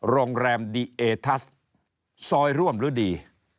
โรงแรมดีเอทัสซอยร่วมฤดี